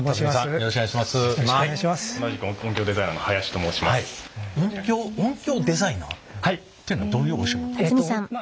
というのはどういうお仕事なんですか？